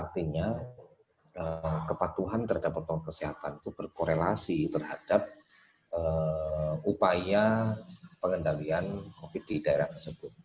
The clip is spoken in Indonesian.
karena kepatuhan terhadap protokol kesehatan itu berkorelasi terhadap upaya pengendalian covid di daerah tersebut